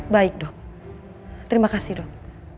baik dok terima kasih dok